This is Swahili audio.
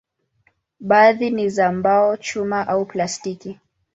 Baadhi ni za mbao, chuma au plastiki.